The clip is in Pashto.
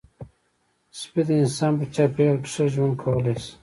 سپي د انسان په چاپېریال کې ښه ژوند کولی شي.